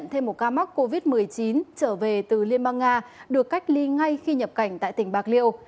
thêm một ca mắc covid một mươi chín trở về từ liên bang nga được cách ly ngay khi nhập cảnh tại tỉnh bạc liêu